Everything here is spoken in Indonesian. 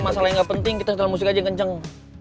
masalah yang gak penting kita setelah musik aja kenceng